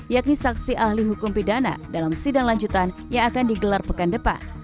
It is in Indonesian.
yakni saksi ahli hukum pidana dalam sidang lanjutan yang akan digelar pekan depan